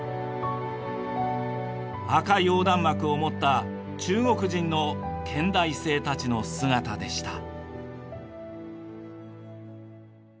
赤い横断幕を持った中国人の建大生たちの姿でした。